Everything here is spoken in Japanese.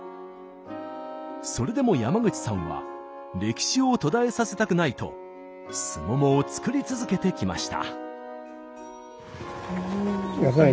それでも山口さんは歴史を途絶えさせたくないとすももを作り続けてきました。